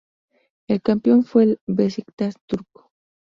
El campeón fue el Beşiktaş turco.